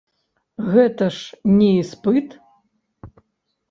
Гэта ж не іспыт.